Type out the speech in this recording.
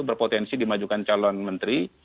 berpotensi dimajukan calon menteri